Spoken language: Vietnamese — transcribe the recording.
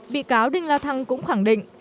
bị cáo đinh la thang cũng khẳng định